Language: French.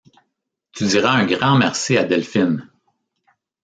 Tu diras un grand merci à Delphine !